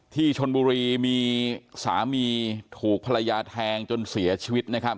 ที่ชนบุรีมีสามีถูกภรรยาแทงจนเสียชีวิตนะครับ